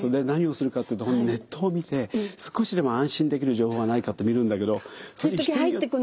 何をするかっていうとネットを見て少しでも安心できる情報はないかって見るんだけど人によって。